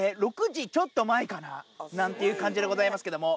なんていう感じでございますけども。